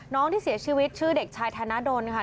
น้องที่เสียชีวิตชื่อเด็กชายธนดลค่ะ